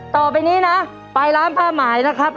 ต่อไปนี้นะไปร้านผ้าหมายนะครับ